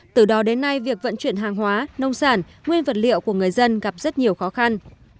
từ đó đến nay việc vận chuyển hàng hóa nông sản nguyên vật liệu của người dân gặp rất nhiều khó khăn